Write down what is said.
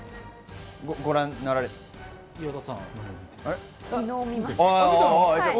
ご覧になられた方。